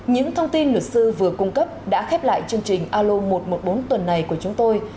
những thông tin luật sư vừa cung cấp đã khép lại chương trình alo một trăm một mươi bốn tuần này của chúng tôi